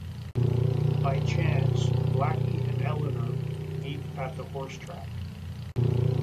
By chance, Blackie and Eleanor meet at the horse track.